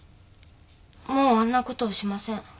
もうあんなことはしません。